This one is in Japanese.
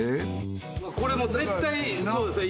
これもう絶対そうですね